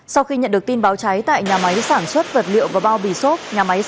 sau khi nhận được tin báo trái tại nhà máy sản xuất vật liệu và bao bì xốp